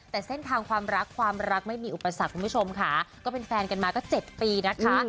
แต่เส้นทางความรักความรักไม่มีอุปสรรคคุณผู้ชมค่ะก็เป็นแฟนกันมาก็๗ปีนะคะ